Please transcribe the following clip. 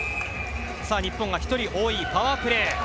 日本が１人多いパワープレー。